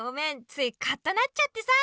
ついカッとなっちゃってさ。